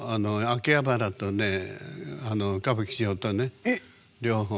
秋葉原とね歌舞伎町とね両方。